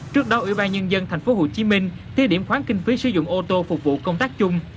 trước đó ủy ban nhân dân tp hcm thi điểm khoáng kinh phí sử dụng ô tô phục vụ công tác chung